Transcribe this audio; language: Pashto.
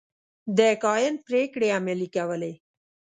د کاهن پرېکړې عملي کولې.